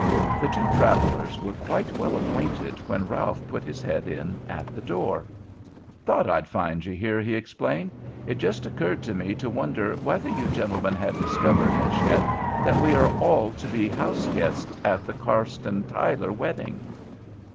The two travelers were quite well acquainted when Ralph put his head in at the door. "Thought I'd find you here," he explained. "It just occurred to me to wonder whether you gentlemen had discovered, as yet, that we are all to be house guests at the Carston Tyler wedding."